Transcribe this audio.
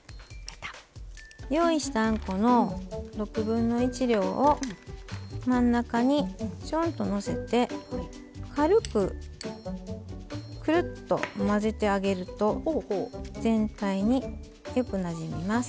用意したあんこの６分の１量を真ん中にちょんとのせて軽くくるっと混ぜてあげると全体によくなじみます。